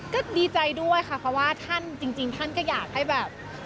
ก็ดีใจด้วยค่ะเพราะว่าท่านจริงท่านก็อยากให้แบบ